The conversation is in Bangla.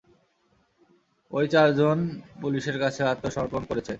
ওই চার জন পুলিশের কাছে আত্মসমর্পণ করেছে।